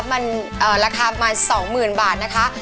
มันราคาประมาณ๒๐๐๐บาทนะคะ